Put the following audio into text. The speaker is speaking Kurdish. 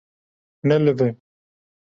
Nelive.